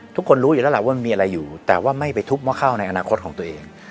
ทุกคนรู้อยู่แล้วล่ะว่ามันมีอะไรอยู่แต่ว่าไม่ไปทุบหม้อข้าวในอนาคตของตัวเอง